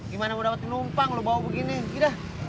gimana mau dapat penumpang lu bawa begini gitu dah